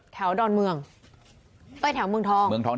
แถวดอนเมืองไปแถวเมืองทอง